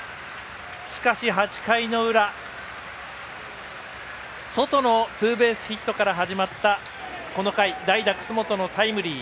しかし、８回の裏ソトのツーベースヒットから始まったこの回、代打、楠本のタイムリー。